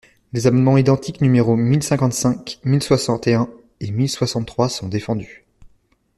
Les amendements identiques numéros mille cinquante-cinq, mille soixante et un et mille soixante-trois sont défendus.